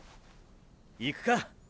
行くか。